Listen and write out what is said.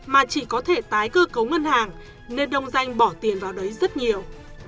mà chỉ có thể tái cơ cấu ngân hàng nên đồng danh bỏ tiền vào đấy rất nhiều